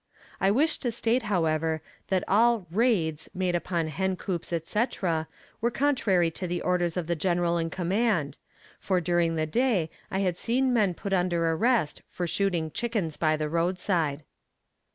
I wish to state, however, that all "raids" made upon hen coops, etc. were contrary to the orders of the General in command, for during the day I had seen men put under arrest for shooting chickens by the roadside.